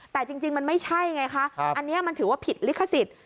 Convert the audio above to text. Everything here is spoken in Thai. แต่จริงมันไม่ใช่ไงคะอันนี้มันถือว่าผิดลิขสิทธิ์